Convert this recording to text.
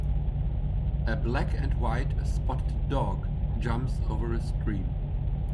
A black and white spotted dog jumps over a stream.